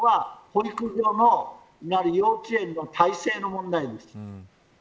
保育所なり幼稚園の体制の問題です。